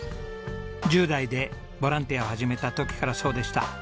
１０代でボランティアを始めた時からそうでした。